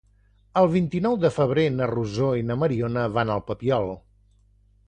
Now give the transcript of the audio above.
El vint-i-nou de febrer na Rosó i na Mariona van al Papiol.